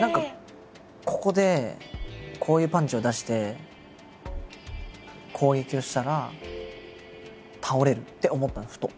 ここでこういうパンチを出して攻撃をしたら倒れるって思ったんですふと。